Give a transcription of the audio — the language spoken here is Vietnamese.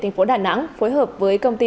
tp đà nẵng phối hợp với công ty